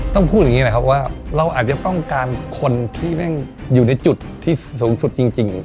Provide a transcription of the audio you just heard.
ต้องพูดอย่างนี้นะครับว่าเราอาจจะต้องการคนที่แม่งอยู่ในจุดที่สูงสุดจริง